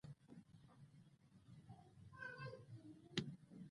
آیا چې څنګه یو پرمختللی هیواد جوړ کړي؟